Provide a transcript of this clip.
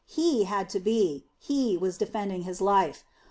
He had to be. He was defending his life.